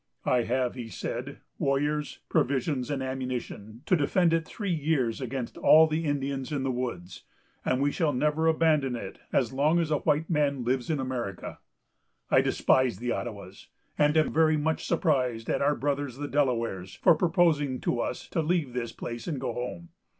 "I have," he said, "warriors, provisions, and ammunition, to defend it three years against all the Indians in the woods; and we shall never abandon it as long as a white man lives in America. I despise the Ottawas, and am very much surprised at our brothers the Delawares, for proposing to us to leave this place and go home.